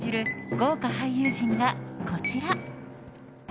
豪華俳優陣がこちら。